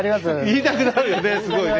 言いたくなるよねすごいね。